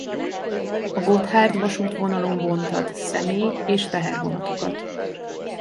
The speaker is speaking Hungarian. A Gotthárd-vasútvonalon vontat személy- és tehervonatokat.